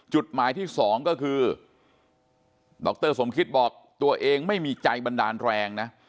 จุดหมายที่สองก็คือดรสมคิตบอกตัวเองไม่มีใจบันดาลแรงนะ